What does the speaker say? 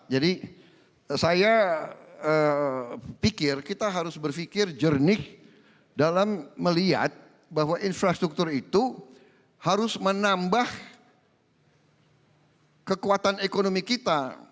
jadi saya pikir kita harus berpikir jernih dalam melihat bahwa infrastruktur itu harus menambah kekuatan ekonomi kita